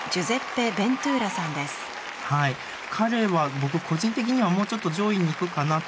彼は僕個人的にはもうちょっと上位に行くかなと思ってました。